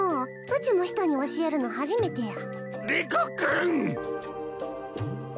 うちも人に教えるの初めてやリコ君！